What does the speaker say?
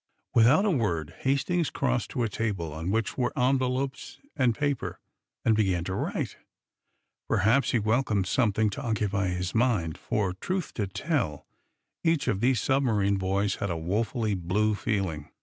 Without a word Hastings crossed to a table on which were envelopes and paper, and began to write. Perhaps he welcomed something to occupy his mind; for, truth to tell, each of these submarine boys had a woefully "blue" feeling.